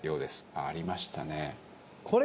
ああありましたね。